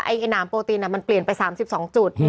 ไอ้หนามโปรตีนมันเปลี่ยนไป๓๒จุด